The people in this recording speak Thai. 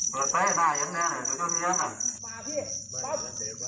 เปิดไปให้ได้อย่างแน่อย่างนั้น